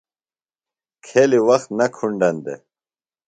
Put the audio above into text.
کھیلیۡ وخت نہ کُھنڈن دےۡ۔